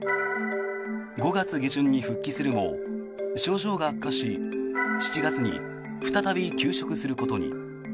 ５月下旬に復帰するも症状が悪化し７月に再び休職することに。